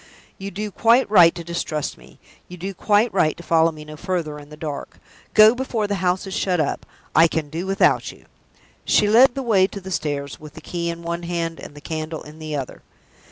"You do quite right to distrust me you do quite right to follow me no further in the dark. Go before the house is shut up. I can do without you." She led the way to the stairs, with the key in one hand, and the candle in the other.